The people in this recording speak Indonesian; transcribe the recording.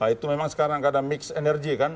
itu memang sekarang ada mix energy kan